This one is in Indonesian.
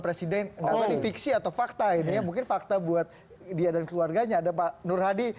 presiden fiksi atau fakta ini ya mungkin fakta buat dia dan keluarganya ada pak nur hadi